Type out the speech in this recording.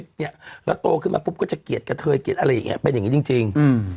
ตัวเตรียมก็จะเกลียดเกลือเกลียดเป็นอย่างนี้จริง